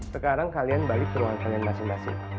sekarang kalian balik ruangan kalian masing masing